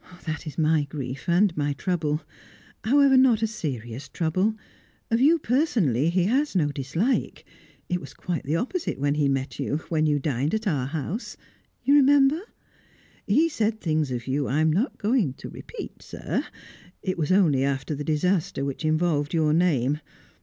"That is my grief, and my trouble. However, not a serious trouble. Of you, personally, he has no dislike; it was quite the opposite when he met you; when you dined at our house you remember? He said things of you I am not going to repeat, sir. It was only after the disaster which involved your name.